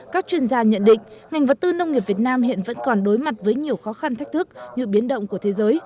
các chuyên gia nhận định ngành vật tư nông nghiệp việt nam hiện vẫn còn đối mặt với nhiều khó khăn thách thức như biến động của thế giới